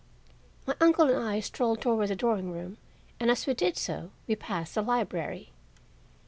My uncle and I strolled toward the drawing room and as we did so we passed the library.